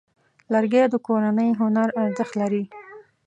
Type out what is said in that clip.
لرګی د کورني هنر ارزښت لري.